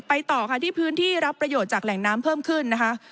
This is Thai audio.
ต่อค่ะที่พื้นที่รับประโยชน์จากแหล่งน้ำเพิ่มขึ้นนะคะ